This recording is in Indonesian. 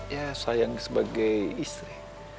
ya sayang sebagai istri